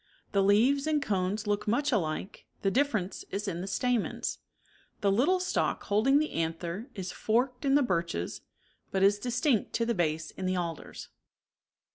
The leaves and cones look much alike, the differ ence is in the stamens. The little stalk holding the 54 anther is forked in the birches, but is distinct to the base in the alders.